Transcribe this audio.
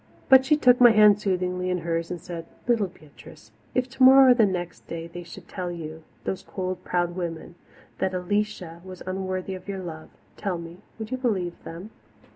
But she took my hand soothingly in hers and said, "Little Beatrice, if tomorrow or the next day they should tell you, those cold, proud women, that Alicia was unworthy of your love, tell me, would you believe them?"